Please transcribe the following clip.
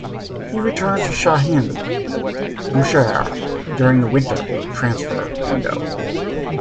He returned to Shahin Bushehr during the winter transfer window.